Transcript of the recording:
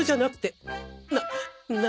な何？